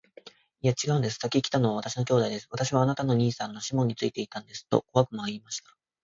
「いや、ちがうんです。先来たのは私の兄弟です。私はあなたの兄さんのシモンについていたんです。」と小悪魔は言いました。